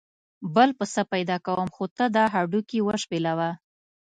بل پسه پیدا کوم خو ته دا هډوکي شپېلوه.